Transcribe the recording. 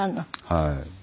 はい。